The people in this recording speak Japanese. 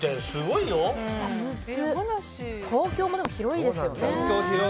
東京も広いですよね。